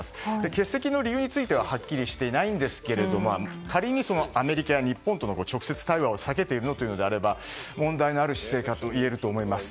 欠席の理由についてははっきりしていないんですが仮にアメリカや日本との直接対話を避けているのであれば問題のある姿勢といえると思います。